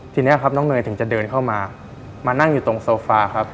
ทีนี้ครับน้องเนยถึงจะเดินเข้ามามานั่งอยู่ตรงโซฟาครับ